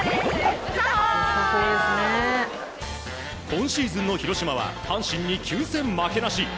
今シーズンの広島は阪神に９戦負けなし。